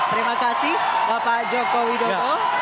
terima kasih bapak joko widodo